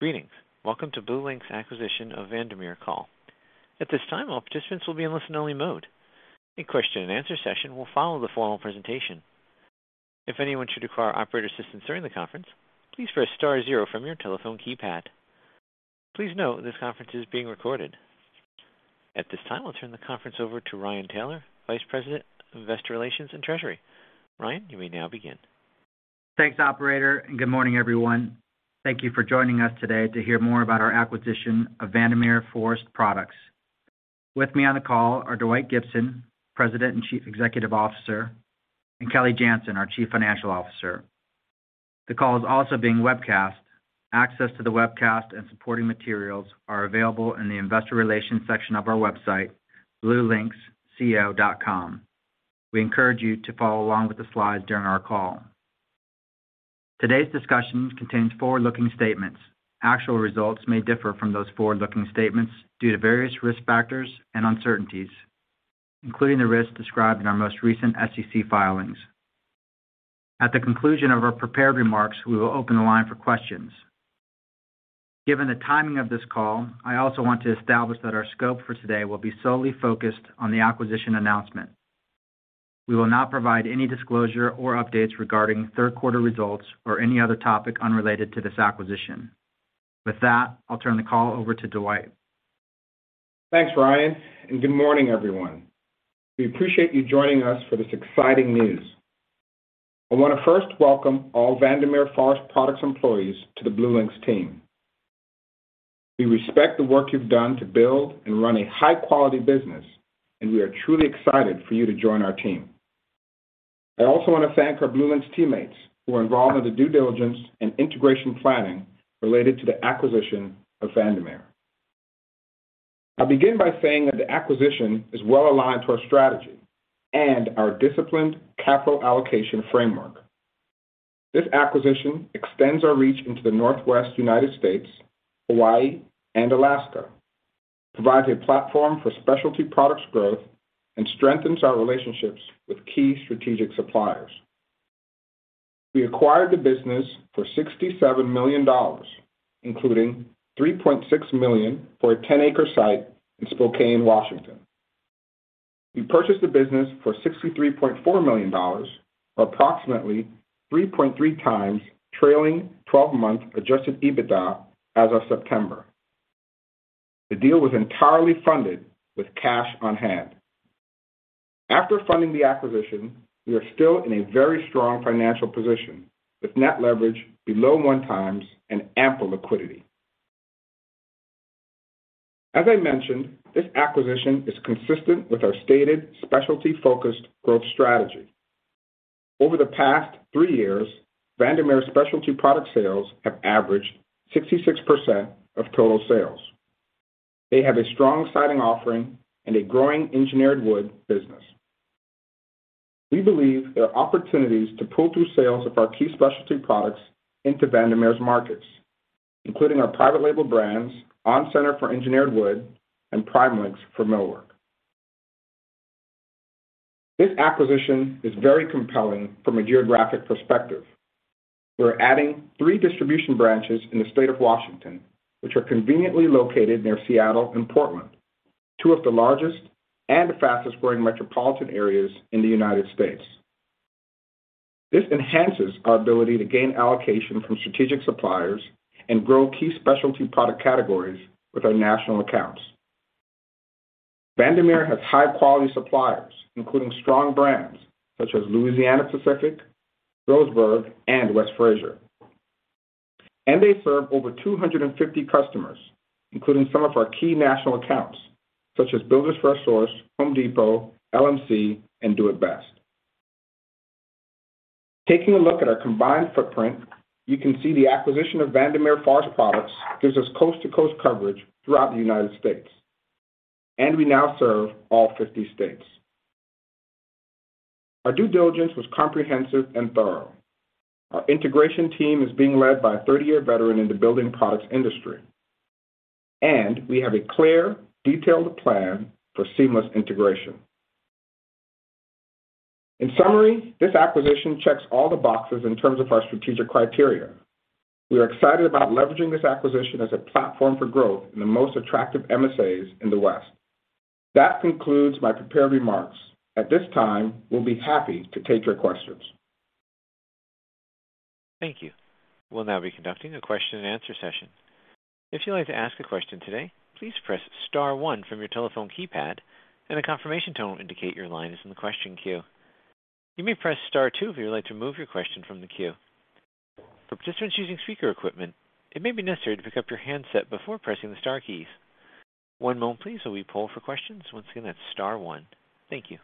Greetings. Welcome to BlueLinx Acquisition of Vandermeer Call. At this time, all participants will be in listen-only mode. A question-and-answer session will follow the formal presentation. If anyone should require operator assistance during the conference, please press star zero from your telephone keypad. Please note this conference is being recorded. At this time, I'll turn the conference over to Ryan Taylor, Vice President of Investor Relations and Treasury. Ryan, you may now begin. Thanks, operator, and good morning, everyone. Thank you for joining us today to hear more about our acquisition of Vandermeer Forest Products. With me on the call are Dwight Gibson, President and Chief Executive Officer, and Kelly Janzen, our Chief Financial Officer. The call is also being webcast. Access to the webcast and supporting materials are available in the investor relations section of our website, bluelinxco.com. We encourage you to follow along with the slides during our call. Today's discussion contains forward-looking statements. Actual results may differ from those forward-looking statements due to various risk factors and uncertainties, including the risks described in our most recent SEC filings. At the conclusion of our prepared remarks, we will open the line for questions. Given the timing of this call, I also want to establish that our scope for today will be solely focused on the acquisition announcement. We will not provide any disclosure or updates regarding third quarter results or any other topic unrelated to this acquisition. With that, I'll turn the call over to Dwight. Thanks, Ryan, and good morning, everyone. We appreciate you joining us for this exciting news. I wanna first welcome all Vandermeer Forest Products employees to the BlueLinx team. We respect the work you've done to build and run a high-quality business, and we are truly excited for you to join our team. I also wanna thank our BlueLinx teammates who are involved in the due diligence and integration planning related to the acquisition of Vandermeer. I'll begin by saying that the acquisition is well-aligned to our strategy and our disciplined capital allocation framework. This acquisition extends our reach into the Northwest United States, Hawaii, and Alaska, provides a platform for specialty products growth, and strengthens our relationships with key strategic suppliers. We acquired the business for $67 million, including $3.6 million for a 10-acre site in Spokane, Washington. We purchased the business for $63.4 million, or approximately 3.3x trailing 12-month adjusted EBITDA as of September. The deal was entirely funded with cash on hand. After funding the acquisition, we are still in a very strong financial position, with net leverage below 1x and ample liquidity. As I mentioned, this acquisition is consistent with our stated specialty-focused growth strategy. Over the past three years, Vandermeer specialty product sales have averaged 66% of total sales. They have a strong siding offering and a growing engineered wood business. We believe there are opportunities to pull through sales of our key specialty products into Vandermeer's markets, including our private label brands, onCENTER for engineered wood, and PrimeLinx for millwork. This acquisition is very compelling from a geographic perspective. We're adding three distribution branches in the state of Washington, which are conveniently located near Seattle and Portland, two of the largest and fastest-growing metropolitan areas in the United States. This enhances our ability to gain allocation from strategic suppliers and grow key specialty product categories with our national accounts. Vandermeer has high-quality suppliers, including strong brands such as Louisiana-Pacific, Roseburg, and West Fraser. They serve over 250 customers, including some of our key national accounts, such as Builders FirstSource, Home Depot, LMC, and Do it Best. Taking a look at our combined footprint, you can see the acquisition of Vandermeer Forest Products gives us coast-to-coast coverage throughout the United States, and we now serve all 50 states. Our due diligence was comprehensive and thorough. Our integration team is being led by a 30-year veteran in the building products industry, and we have a clear, detailed plan for seamless integration. In summary, this acquisition checks all the boxes in terms of our strategic criteria. We are excited about leveraging this acquisition as a platform for growth in the most attractive MSAs in the West. That concludes my prepared remarks. At this time, we'll be happy to take your questions. Thank you. We'll now be conducting a question-and-answer session. If you'd like to ask a question today, please press star one from your telephone keypad, and a confirmation tone will indicate your line is in the question queue. You may press star two if you would like to remove your question from the queue. For participants using speaker equipment, it may be necessary to pick up your handset before pressing the star keys. One moment please while we poll for questions. Once again, that's star one. Thank you.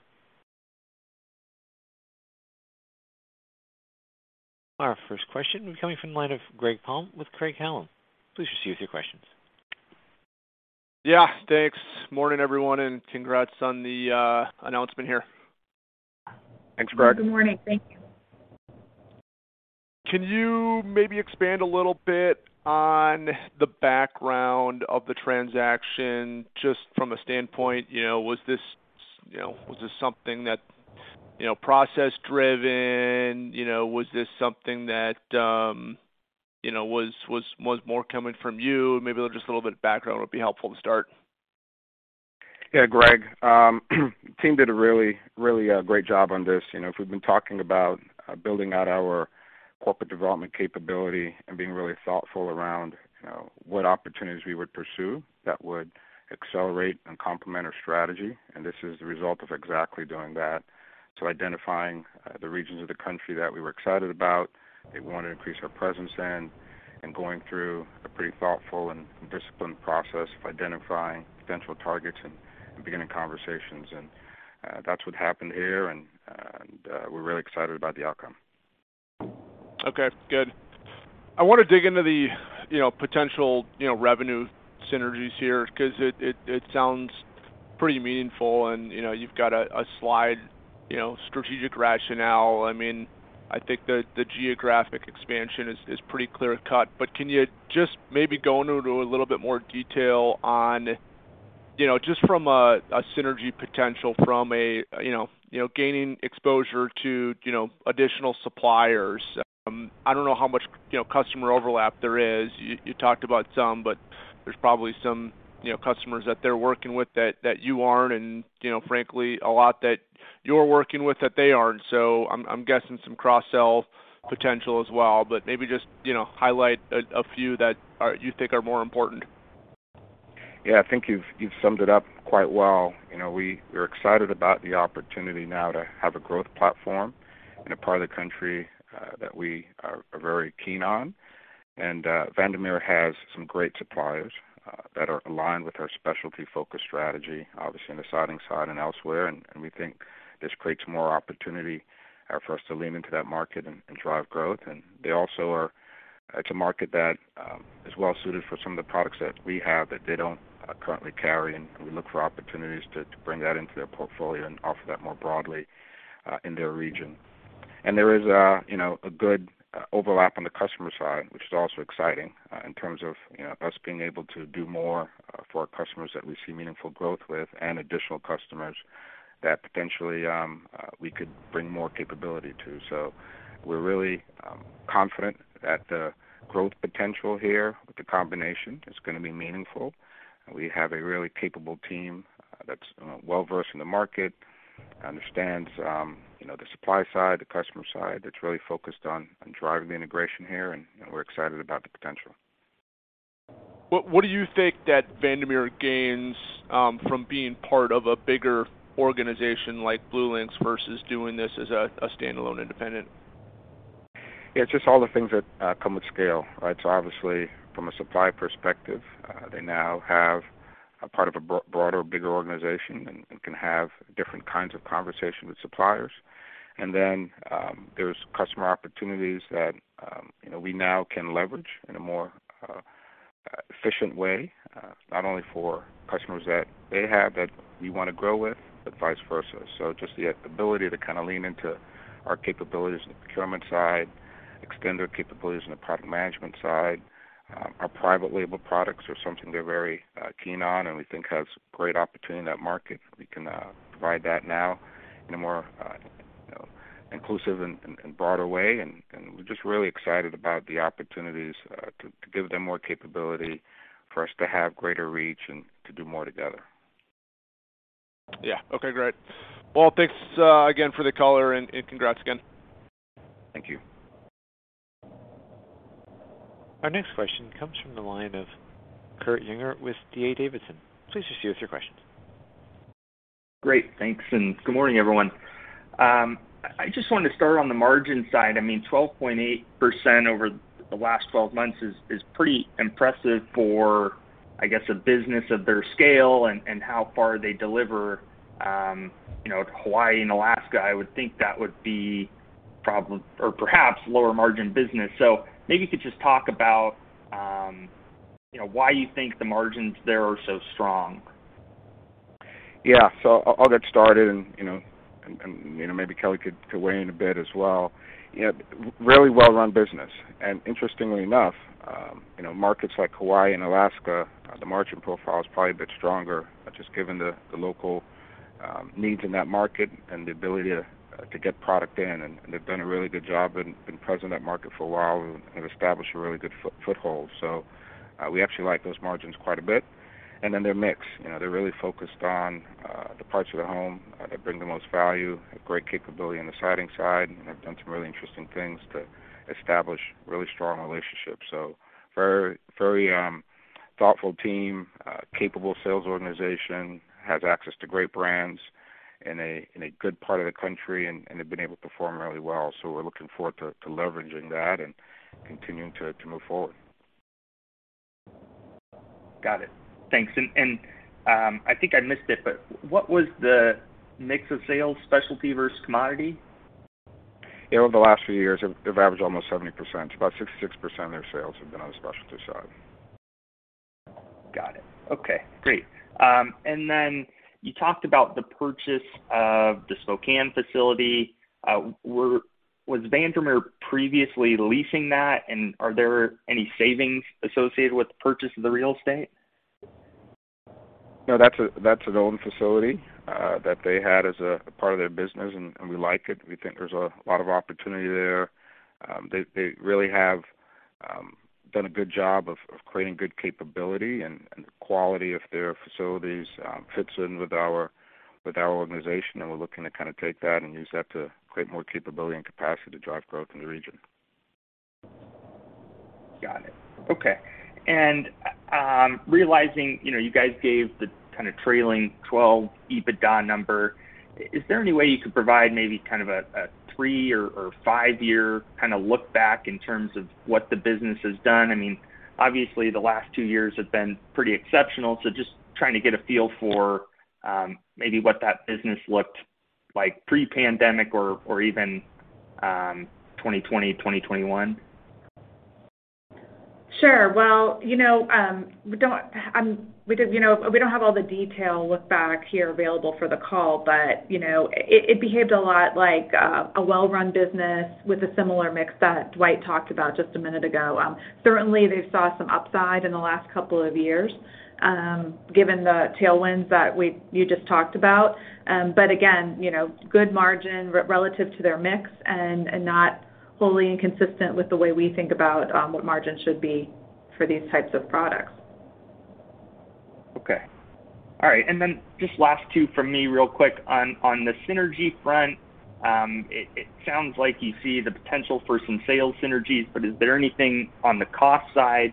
Our first question will be coming from the line of Greg Palm with Craig-Hallum. Please proceed with your questions. Yeah, thanks. Morning, everyone, and congrats on the announcement here. Thanks, Greg. Good morning. Thank you. Can you maybe expand a little bit on the background of the transaction just from a standpoint, you know, was this something that you know, process driven, you know, was this something that, you know, was more coming from you? Maybe just a little bit of background would be helpful to start. Yeah, Greg, team did a really great job on this. You know, if we've been talking about building out our corporate development capability and being really thoughtful around, you know, what opportunities we would pursue that would accelerate and complement our strategy, and this is the result of exactly doing that. Identifying the regions of the country that we were excited about, they wanna increase our presence in, and going through a pretty thoughtful and disciplined process of identifying potential targets and beginning conversations. That's what happened here, and we're really excited about the outcome. Okay, good. I wanna dig into the potential revenue synergies here, 'cause it sounds pretty meaningful and, you know, you've got a slide, you know, strategic rationale. I mean, I think the geographic expansion is pretty clear cut, but can you just maybe go into a little bit more detail on, you know, just from a synergy potential from a, you know, gaining exposure to additional suppliers? I don't know how much customer overlap there is. You talked about some, but there's probably some customers that they're working with that you aren't and, you know, frankly, a lot that you're working with that they aren't. I'm guessing some cross-sell potential as well. Maybe just, you know, highlight a few that you think are more important. Yeah. I think you've summed it up quite well. You know, we're excited about the opportunity now to have a growth platform in a part of the country that we are very keen on. Vandermeer has some great suppliers that are aligned with our specialty focus strategy, obviously on the siding side and elsewhere. We think this creates more opportunity for us to lean into that market and drive growth. It's a market that is well suited for some of the products that we have that they don't currently carry, and we look for opportunities to bring that into their portfolio and offer that more broadly in their region. There is a, you know, a good overlap on the customer side, which is also exciting, in terms of, you know, us being able to do more, for our customers that we see meaningful growth with and additional customers that potentially, we could bring more capability to. We're really confident that the growth potential here with the combination is gonna be meaningful. We have a really capable team, that's well-versed in the market, understands, you know, the supply side, the customer side, that's really focused on driving the integration here, and, you know, we're excited about the potential. What do you think that Vandermeer gains from being part of a bigger organization like BlueLinx vs doing this as a standalone independent? Yeah. Just all the things that come with scale, right? Obviously from a supply perspective, they now have a part of a broader, bigger organization and can have different kinds of conversations with suppliers. There's customer opportunities that you know, we now can leverage in a more efficient way, not only for customers that they have that we wanna grow with, but vice versa. Just the ability to kinda lean into our capabilities in the procurement side, extend their capabilities in the product management side. Our private label products are something they're very keen on and we think has great opportunity in that market. We can provide that now in a more you know, inclusive and broader way. We're just really excited about the opportunities to give them more capability for us to have greater reach and to do more together. Yeah. Okay, great. Well, thanks again for the call and congrats again. Thank you. Our next question comes from the line of Kurt Yinger with D.A. Davidson. Please just give us your questions. Great. Thanks, and good morning, everyone. I just wanted to start on the margin side. I mean, 12.8% over the last 12 months is pretty impressive for, I guess, a business of their scale and how far they deliver, you know, to Hawaii and Alaska. I would think that would be a problem or perhaps lower margin business. Maybe you could just talk about, you know, why you think the margins there are so strong. Yeah. I'll get started and, you know, maybe Kelly could weigh in a bit as well. You know, really well-run business. Interestingly enough, you know, markets like Hawaii and Alaska, the margin profile is probably a bit stronger, just given the local needs in that market and the ability to get product in. They've done a really good job and been present in that market for a while and established a really good foothold. We actually like those margins quite a bit. Then their mix, you know, they're really focused on the parts of the home that bring the most value, great capability on the siding side, and they've done some really interesting things to establish really strong relationships. Very thoughtful team, capable sales organization, has access to great brands in a good part of the country, and they've been able to perform really well. We're looking forward to leveraging that and continuing to move forward. Got it. Thanks. I think I missed it, but what was the mix of sales, specialty vs commodity? Over the last few years, they've averaged almost 70%, about 66% of their sales have been on the specialty side. Got it. Okay, great. You talked about the purchase of the Spokane facility. Was Vandermeer previously leasing that? Are there any savings associated with the purchase of the real estate? No, that's an old facility that they had as a part of their business and we like it. We think there's a lot of opportunity there. They really have done a good job of creating good capability and the quality of their facilities fits in with our organization and we're looking to kinda take that and use that to create more capability and capacity to drive growth in the region. Got it. Okay. Realizing, you know, you guys gave the kinda trailing 12 EBITDA number, is there any way you could provide maybe kind of a three or five-year kinda look back in terms of what the business has done? I mean, obviously the last two years have been pretty exceptional, so just trying to get a feel for maybe what that business looked like pre-pandemic or even 2020, 2021. Sure. Well, you know, we don't have all the detailed look back here available for the call, but, you know, it behaved a lot like a well-run business with a similar mix that Dwight talked about just a minute ago. Certainly they saw some upside in the last couple of years, given the tailwinds that you just talked about. But again, you know, good margins relative to their mix and not wholly inconsistent with the way we think about what margins should be for these types of products. Okay. All right. Just last two from me real quick. On the synergy front, it sounds like you see the potential for some sales synergies, but is there anything on the cost side?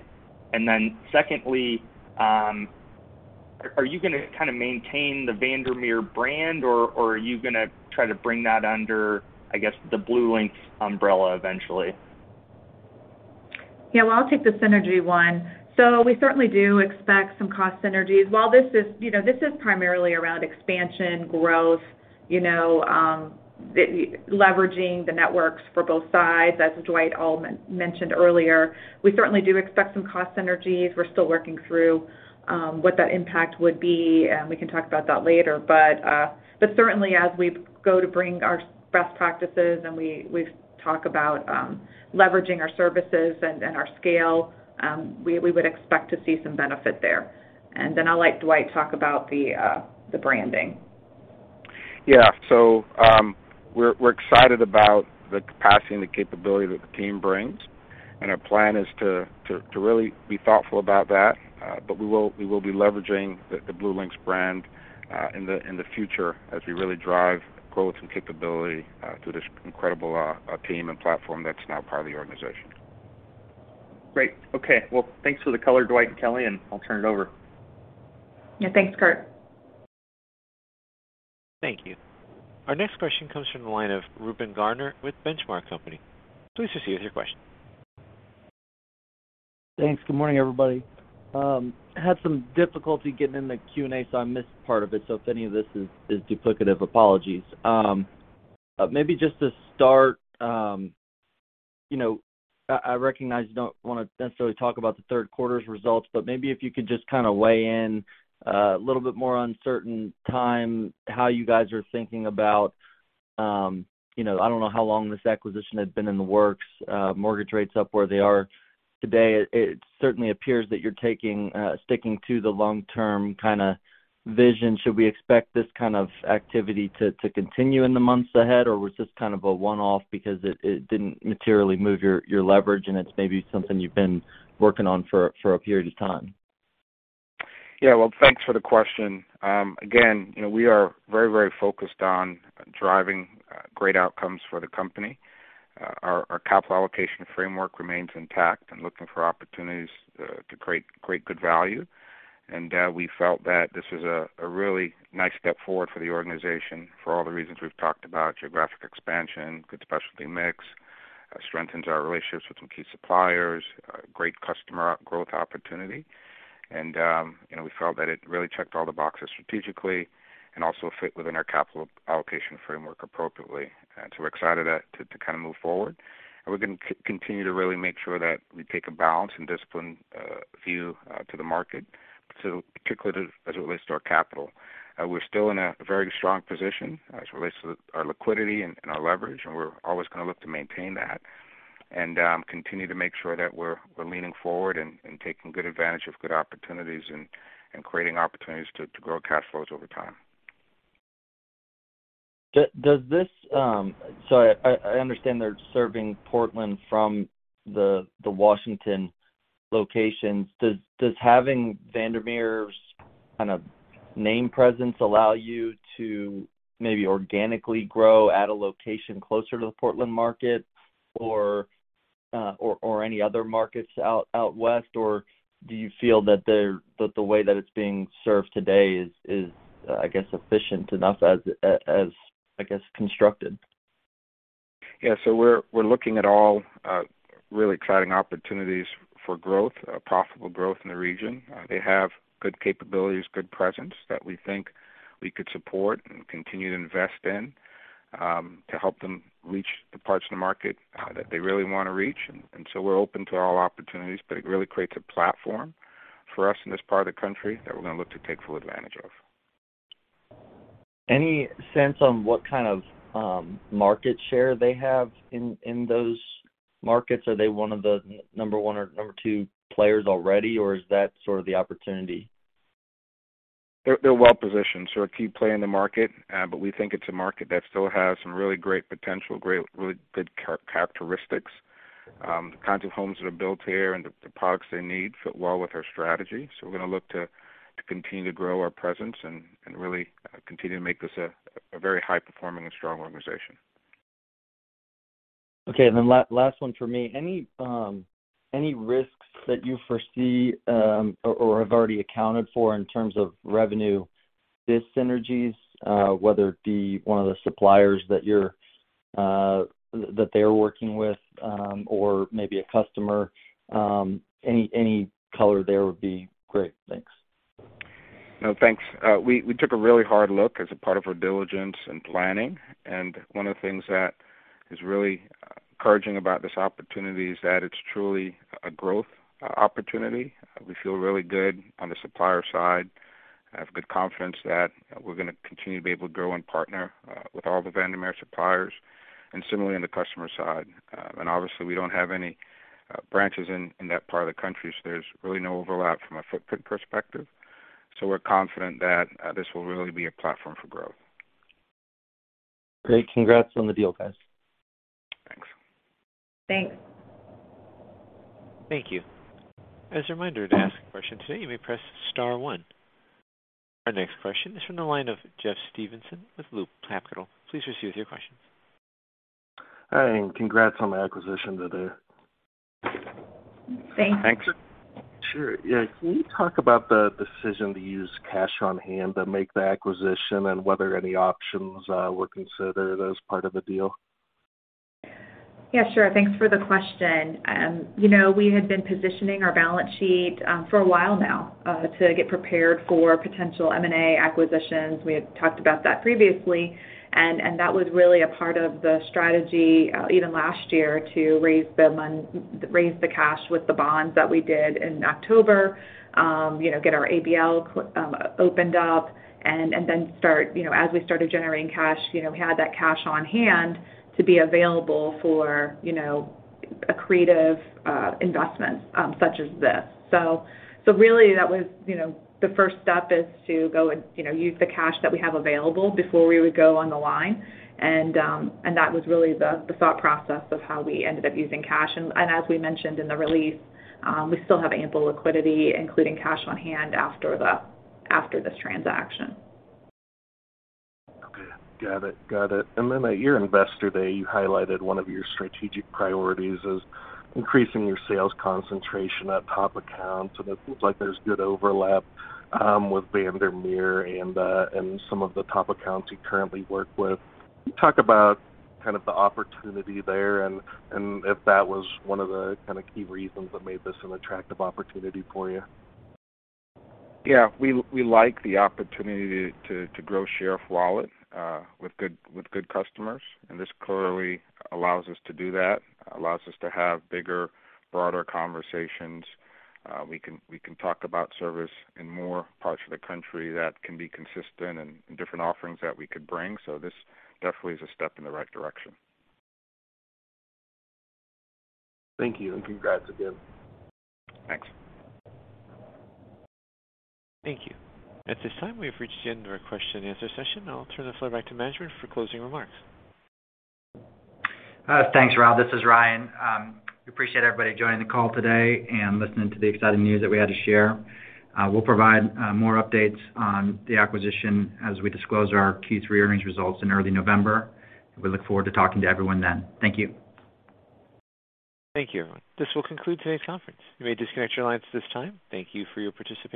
Secondly, are you gonna kind of maintain the Vandermeer brand or are you gonna try to bring that under, I guess, the BlueLinx umbrella eventually? Yeah, well, I'll take the synergy one. We certainly do expect some cost synergies. While this is, you know, this is primarily around expansion, growth, you know, leveraging the networks for both sides, as Dwight mentioned earlier. We certainly do expect some cost synergies. We're still working through what that impact would be, and we can talk about that later. Certainly as we go to bring our best practices and we talk about leveraging our services and our scale, we would expect to see some benefit there. Then I'll let Dwight talk about the branding. We're excited about the capacity and the capability that the team brings, and our plan is to really be thoughtful about that. We will be leveraging the BlueLinx brand in the future as we really drive growth and capability through this incredible team and platform that's now part of the organization. Great. Okay. Well, thanks for the color, Dwight and Kelly, and I'll turn it over. Yeah. Thanks, Kurt. Thank you. Our next question comes from the line of Reuben Garner with Benchmark Company. Please proceed with your question. Thanks. Good morning, everybody. Had some difficulty getting in the Q&A, so I missed part of it, so if any of this is duplicative, apologies. Maybe just to start, I recognize you don't wanna necessarily talk about the third quarter's results, but maybe if you could just kinda weigh in a little bit more on the timing, how you guys are thinking about. I don't know how long this acquisition had been in the works, mortgage rates up where they are today. It certainly appears that you're sticking to the long-term kinda vision. Should we expect this kind of activity to continue in the months ahead, or was this kind of a one-off because it didn't materially move your leverage and it's maybe something you've been working on for a period of time? Yeah. Well, thanks for the question. Again, you know, we are very, very focused on driving great outcomes for the company. Our capital allocation framework remains intact and looking for opportunities to create good value. We felt that this is a really nice step forward for the organization for all the reasons we've talked about, geographic expansion, good specialty mix, strengthens our relationships with some key suppliers, great customer growth opportunity. You know, we felt that it really checked all the boxes strategically and also fit within our capital allocation framework appropriately. We're excited to kinda move forward, and we're gonna continue to really make sure that we take a balanced and disciplined view to the market. Particularly as it relates to our capital. We're still in a very strong position as it relates to our liquidity and our leverage, and we're always gonna look to maintain that. Continue to make sure that we're leaning forward and taking good advantage of good opportunities and creating opportunities to grow cash flows over time. I understand they're serving Portland from the Washington locations. Does having Vandermeer's kind of name presence allow you to maybe organically grow at a location closer to the Portland market or any other markets out west, or do you feel that the way that it's being served today is, I guess, efficient enough as, I guess, constructed? Yeah. We're looking at all really exciting opportunities for growth, profitable growth in the region. They have good capabilities, good presence that we think we could support and continue to invest in, to help them reach the parts of the market that they really wanna reach. We're open to all opportunities, but it really creates a platform for us in this part of the country that we're gonna look to take full advantage of. Any sense on what kind of market share they have in those markets? Are they one of the number one or number two players already, or is that sort of the opportunity? They're well positioned, a key player in the market. But we think it's a market that still has some really great potential, really good characteristics. The kinds of homes that are built here and the products they need fit well with our strategy. We're gonna look to continue to grow our presence and really continue to make this a very high-performing and strong organization. Okay, last one for me. Any risks that you foresee, or have already accounted for in terms of revenue, these synergies, whether it be one of the suppliers that they're working with, or maybe a customer, any color there would be great. Thanks. No, thanks. We took a really hard look as a part of our diligence and planning, and one of the things that is really encouraging about this opportunity is that it's truly a growth opportunity. We feel really good on the supplier side. I have good confidence that we're gonna continue to be able to grow and partner with all the Vandermeer suppliers and similarly on the customer side. Obviously, we don't have any branches in that part of the country, so there's really no overlap from a footprint perspective. We're confident that this will really be a platform for growth. Great. Congrats on the deal, guys. Thanks. Thanks. Thank you. As a reminder, to ask a question today, you may press star one. Our next question is from the line of Jeff Stevenson with Loop Capital Markets. Please proceed with your question. Hi, and congrats on the acquisition today. Thanks. Thanks. Sure. Yeah. Can you talk about the decision to use cash on hand to make the acquisition and whether any options were considered as part of the deal? Yeah, sure. Thanks for the question. You know, we had been positioning our balance sheet for a while now to get prepared for potential M&A acquisitions. We had talked about that previously, and that was really a part of the strategy even last year to raise the cash with the bonds that we did in October. You know, get our ABL opened up and then start, you know, as we started generating cash, you know, we had that cash on hand to be available for a creative investment such as this. Really that was, you know, the first step is to go and, you know, use the cash that we have available before we would go on the line, and that was really the thought process of how we ended up using cash. As we mentioned in the release, we still have ample liquidity, including cash on hand after this transaction. Okay. Got it. At your investor day, you highlighted one of your strategic priorities as increasing your sales concentration at top accounts, and it seems like there's good overlap with Vandermeer and some of the top accounts you currently work with. Can you talk about kind of the opportunity there and if that was one of the kinda key reasons that made this an attractive opportunity for you? Yeah. We like the opportunity to grow share of wallet with good customers, and this clearly allows us to do that. Allows us to have bigger, broader conversations. We can talk about service in more parts of the country that can be consistent and different offerings that we could bring. This definitely is a step in the right direction. Thank you, and congrats again. Thanks. Thank you. At this time, we have reached the end of our question and answer session. I'll turn the floor back to management for closing remarks. Thanks, Rob. This is Ryan. We appreciate everybody joining the call today and listening to the exciting news that we had to share. We'll provide more updates on the acquisition as we disclose our Q3 earnings results in early November. We look forward to talking to everyone then. Thank you. Thank you. This will conclude today's conference. You may disconnect your lines at this time. Thank you for your participation.